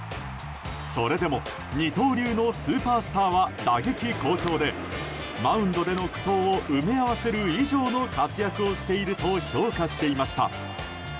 それでも、二刀流のスーパースターは打撃好調でマウンドでの苦闘を埋め合わせる以上の活躍をしていると評価していました。